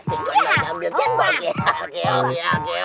gombal gambal gembala